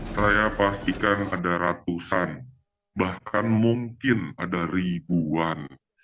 saya pastikan ada ratusan bahkan mungkin ada ribuan